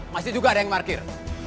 masih juga ada yang parkir